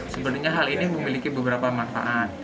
sebenarnya hal ini memiliki beberapa manfaat